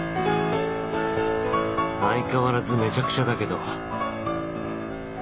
相変わらずめちゃくちゃだけど